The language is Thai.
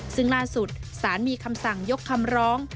ซึ่งล่าสุดสารมีคำสั่งยกคำร้อง